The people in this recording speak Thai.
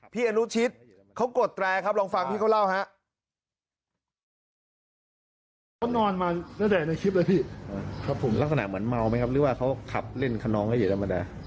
พี่อนุชิตเขากดแตรครับลองฟังพี่เขาเล่าฮะ